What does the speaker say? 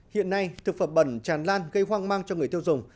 hiện nay thực phẩm bẩn tràn lan gây hoang mang cho người tiêu dùng